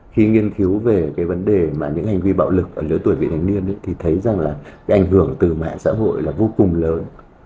khi nghiên cứu về cái vấn đề mà những hành vi bạo lực ở lứa tuổi vị thành niên thì thấy rằng là cái ảnh hưởng từ mạng xã hội là vô cùng lớn